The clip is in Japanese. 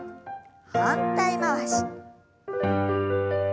反対回し。